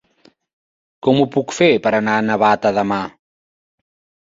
Com ho puc fer per anar a Navata demà?